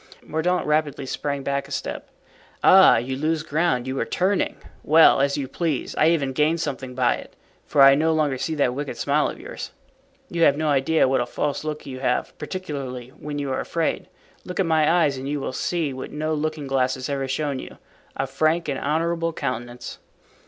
Mordaunt rapidly sprang back a step. "Ah! you lose ground, you are turning? Well, as you please, I even gain something by it, for I no longer see that wicked smile of yours. You have no idea what a false look you have, particularly when you are afraid. Look at my eyes and you will see what no looking glass has ever shown you—a frank and honorable countenance."